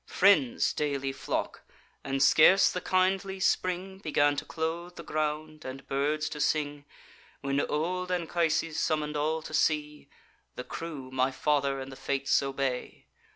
Friends daily flock; and scarce the kindly spring Began to clothe the ground, and birds to sing, When old Anchises summon'd all to sea: The crew my father and the Fates obey.